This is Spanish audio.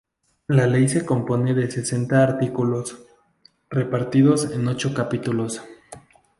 La ley se compone de sesenta artículos, repartidos en ocho capítulos.